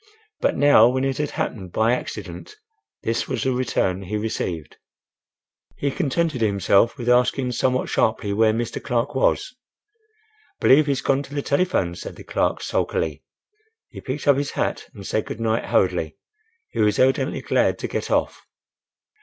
But now when it had happened by accident, this was the return he received! He contented himself with asking somewhat sharply where Mr. Clark was. "Believe he's gone to the telephone," said the clerk, sulkily. He picked up his hat and said good night hurriedly. He was evidently glad to get off.